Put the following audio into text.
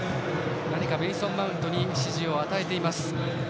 何かメイソン・マウントに指示を与えていました。